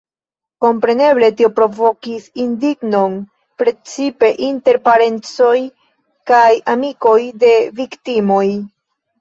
Kompreneble, tio provokis indignon precipe inter parencoj kaj amikoj de viktimoj.